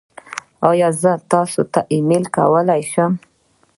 ایا زه تاسو ته ایمیل کولی شم؟